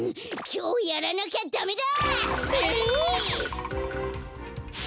きょうやらなきゃダメだ！